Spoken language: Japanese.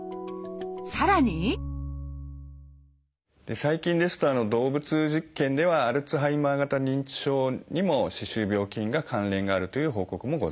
さらに最近ですと動物実験ではアルツハイマー型認知症にも歯周病菌が関連があるという報告もございます。